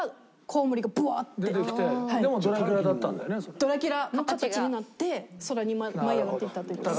ドラキュラの形になって空に舞い上がっていったって。